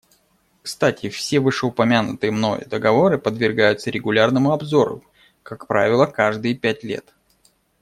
Кстати, все вышеупомянутые мною договоры подвергаются регулярному обзору, как правило, каждые пять лет.